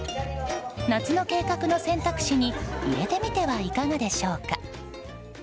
夏の計画の選択肢に入れてみてはいかがでしょうか。